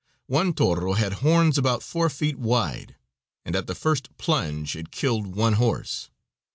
One toro had horns about four feet wide, and at the first plunge it killed one horse.